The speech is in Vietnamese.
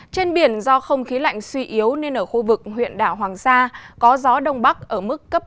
trên biển do không khí lạnh suy yếu nên ở khu vực huyện đảo hoàng sa có gió đông bắc ở mức cấp năm